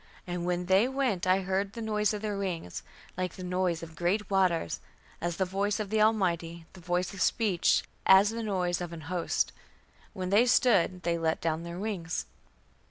And when they went I heard the noise of their wings, like the noise of great waters, as the voice of the Almighty, the voice of speech, as the noise of an host; when they stood they let down their wings...."